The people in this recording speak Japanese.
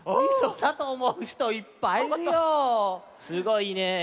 すごいね。